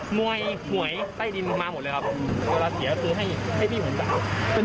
หมวยหมวยใต้ดินมาหมดเลยครับเวลาเสียคือให้พี่ผมจ่าย